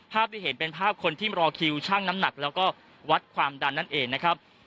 ที่เห็นเป็นภาพคนที่รอคิวชั่งน้ำหนักแล้วก็วัดความดันนั่นเองนะครับ